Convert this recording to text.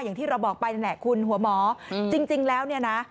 อย่างที่เราบอกไปนั่นแหละคุณหัวหมอจริงแล้วเนี่ยนะ